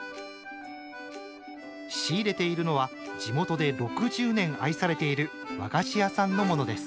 仕入れているのは地元で６０年愛されている和菓子屋さんのものです。